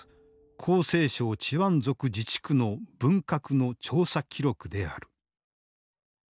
広西省チワン族自治区の文革の調査記録である。